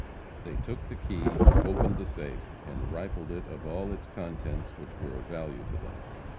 They took the key, opened the safe, and rifled it of all its contents which were of value to them.